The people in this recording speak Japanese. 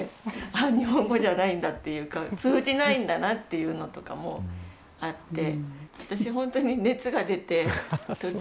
あっ、日本語じゃないんだっていうか、通じないんだなっていうのとかもあって。